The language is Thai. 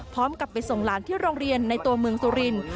กลับไปส่งหลานที่โรงเรียนในตัวเมืองสุรินทร์